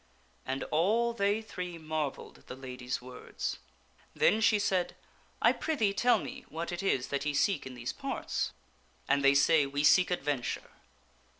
And all they three marvelled at the lady's words. Then she said, " I prithee tell me what it is that ye seek in these parts?" And they say, "We seek adventure."